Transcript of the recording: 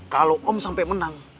kalau om sampai menang